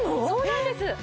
そうなんです！